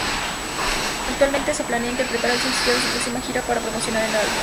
Actualmente se planea interpretar el sencillo en su próxima gira para promocionar el álbum.